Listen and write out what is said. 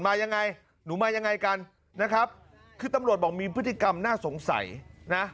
มายังไงหนูมายังไงกันนะครับคือตำรวจบอกมีพฤติกรรมน่าสงสัยนะ